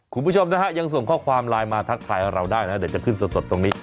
คุณผู้ชมนะฮะยังส่งข้อความไลน์มาทักทายเราได้นะเดี๋ยวจะขึ้นสดตรงนี้